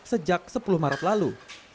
sejak sepuluh maret lalu